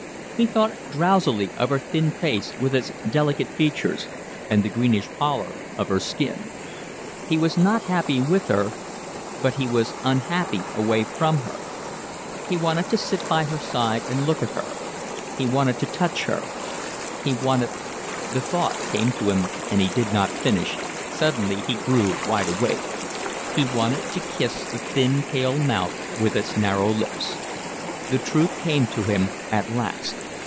He thought drowsily of her thin face, with its delicate features, and the greenish pallor of her skin. He was not happy with her, but he was unhappy away from her. He wanted to sit by her side and look at her, he wanted to touch her, he wanted… the thought came to him and he did not finish it, suddenly he grew wide awake… he wanted to kiss the thin, pale mouth with its narrow lips. The truth came to him at last.